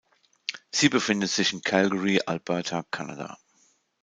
Sie befindet sich in Calgary, Alberta, Kanada.